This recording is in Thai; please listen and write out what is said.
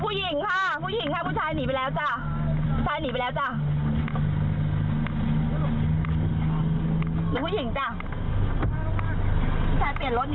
หรือผู้หญิงจ้าผู้ชายเปลี่ยนรถหนีไปแล้วจ้า